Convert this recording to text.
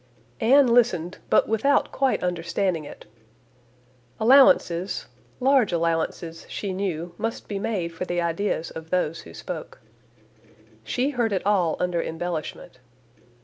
Anne listened, but without quite understanding it. Allowances, large allowances, she knew, must be made for the ideas of those who spoke. She heard it all under embellishment.